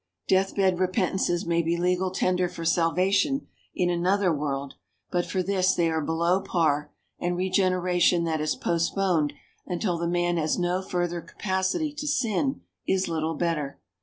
Deathbed repentances may be legal tender for salvation in another world, but for this they are below par, and regeneration that is postponed until the man has no further capacity to sin is little better.